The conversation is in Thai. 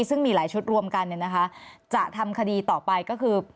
ซึ่งมีหลายชุดรวมกันเนี่ยนะคะจะทำคดีต่อไปก็คือ